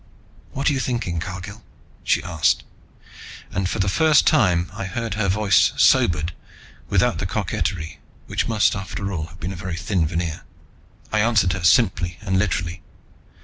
"What are you thinking, Cargill?" she asked, and for the first time I heard her voice sobered, without the coquetry, which must after all have been a very thin veneer. I answered her simply and literally.